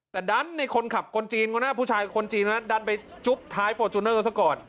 แต่ดันในคนขับคนจีนคนหน้าผู้ชายคนจีนดันไปจุ๊บท้ายฟอร์จูเนอร์ซะก่อน